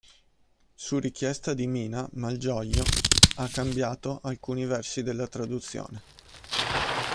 Su richiesta di Mina, Malgioglio ha cambiato alcuni versi della traduzione..